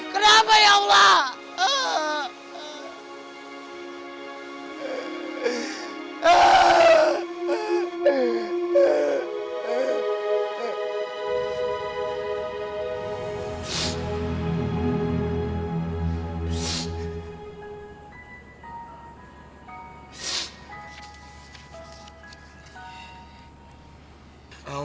kenapa ya allah